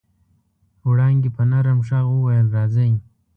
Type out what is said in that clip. وړانګې په نرم غږ وويل راځئ.